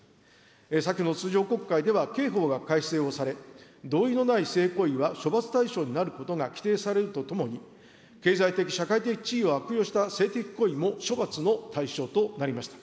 先の通常国会では、刑法が改正をされ、同意のない性行為は処罰対象になることが規定されるとともに、経済的、社会的地位を悪用した性的行為も処罰の対象となりました。